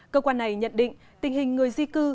cơ quan này nhận định tình hình người di cư